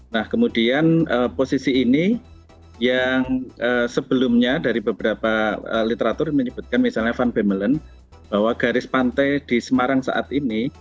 nah kemudian posisi ini yang sebelumnya dari beberapa literatur menyebutkan misalnya van bemelan bahwa garis pantai di semarang saat ini